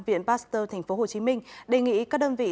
viện pasteur tp hcm đề nghị các đơn vị